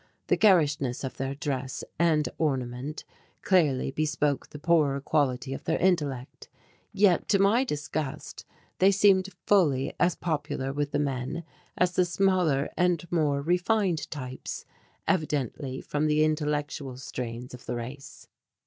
The garishness of their dress and ornament clearly bespoke the poorer quality of their intellect, yet to my disgust they seemed fully as popular with the men as the smaller and more refined types, evidently from the intellectual strains of the race.